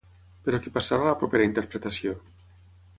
Però què passarà a la propera interpretació?